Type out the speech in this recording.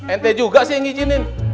ente juga sih yang ngizinin